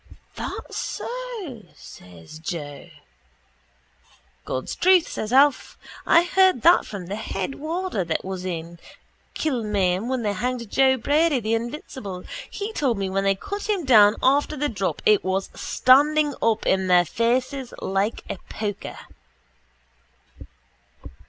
—That so? says Joe. —God's truth, says Alf. I heard that from the head warder that was in Kilmainham when they hanged Joe Brady, the invincible. He told me when they cut him down after the drop it was standing up in their faces like a poker.